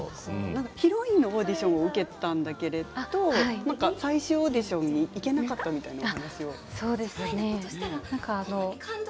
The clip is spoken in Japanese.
ヒロインのオーディションを受けていたけど最終オーディションに行けなかったという話を。